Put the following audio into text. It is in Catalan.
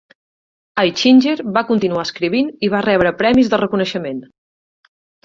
Aichinger va continuar escrivint i va rebre premis de reconeixement.